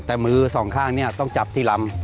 แต่มือสองข้างเนี่ยต้องจับที่ลำ